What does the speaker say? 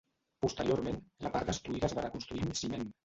Posteriorment la part destruïda es va reconstruir amb ciment.